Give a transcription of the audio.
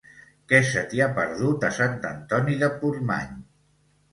Què se t'hi ha perdut, a Sant Antoni de Portmany?